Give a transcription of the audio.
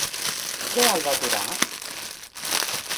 Què el va aturar?